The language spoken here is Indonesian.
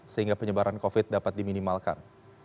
sehingga penyebaran covid dapat diminimalkan